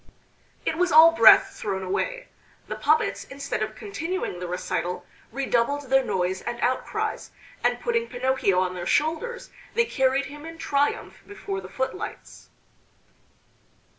It was all breath thrown away. The puppets, instead of continuing the recital, redoubled their noise and outcries, and putting Pinocchio on their shoulders they carried him in triumph before the footlights.